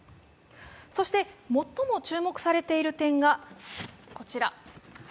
そして最も注目されている点が、こちら。